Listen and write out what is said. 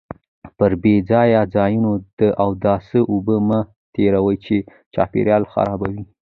پر بې ځایه ځایونو د اوداسه اوبه مه تېروئ چې چاپیریال خرابوي.